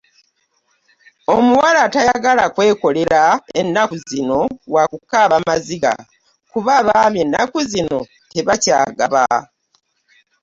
Omuwala atayagala kwekolera ennaku zino wa kukaaba maziga kuba abaami ennaku zino tebakyagaba.